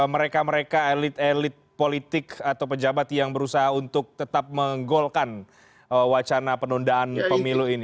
mereka mereka elit elit politik atau pejabat yang berusaha untuk tetap menggolkan wacana penundaan pemilu ini